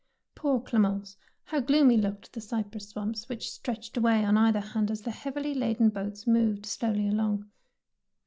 Poor Clemence, how gloomy looked the cypress swamps which stretched away on either hand as the heavily 11 l6l DEEDS OF DARING laden boats moved slowly along